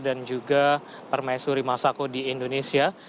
dan juga permaisuri masako di indonesia